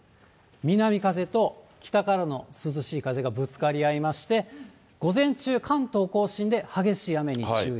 南風と北からの涼しい風がぶつかり合いまして、午前中、関東甲信で激しい雨に注意。